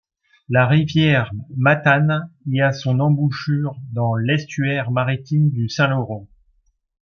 La rivière Matane y a son embouchure dans l'estuaire maritime du Saint-Laurent.